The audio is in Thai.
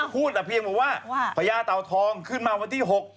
พูดแต่เพียงบอกว่าพญาเตาทองขึ้นมาวันที่๖